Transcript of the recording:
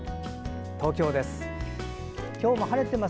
東京です。